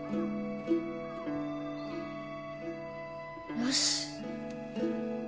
よし。